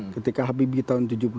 ketika habibie tahun tujuh puluh tiga